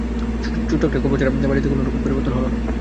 ছোট্ট একটা কবর ছাড়া বাড়িতে কোনোরকম পরিবর্তন হল না।